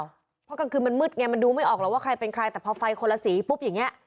เพราะกลางคืนมันมืดไงมันดูไม่ออกหรอกว่าใครเป็นใครแต่พอไฟคนละสีปุ๊บอย่างนี้